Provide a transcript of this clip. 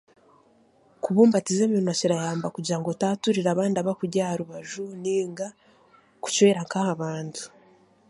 Kubumbatiza eminwa kirayamba kugira ngu otaaturira abandi abakuri aha rubaju, nainga kucwera nk'aha bantu.